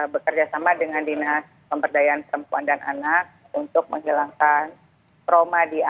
bekerjasama dengan dinas pemberdayaan perempuan dan anak untuk menghilangkan trauma diantara